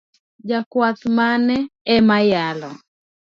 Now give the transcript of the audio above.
Jakwath mane ema yalo?